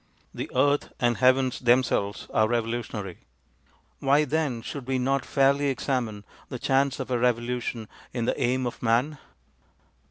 The earth and heavens themselves are revolutionary. Why then should we not fairly examine the chance of a revolution in the aim of man?